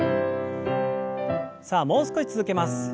さあもう少し続けます。